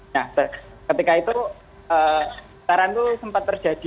nah ketika itu taran itu sempat terjadi